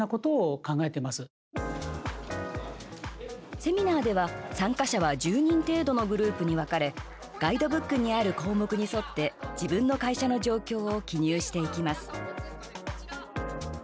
セミナーでは、参加者は１０人程度のグループに分かれガイドブックにある項目に沿って自分の会社の状況を記入していきます。